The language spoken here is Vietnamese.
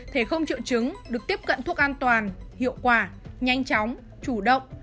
thể không triệu chứng được tiếp cận thuốc an toàn hiệu quả nhanh chóng chủ động